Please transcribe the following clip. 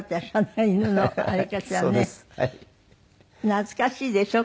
懐かしいでしょ？